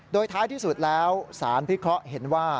โดยท้ายที่สุดแล้วสารพิเคราะห์เห็นว่า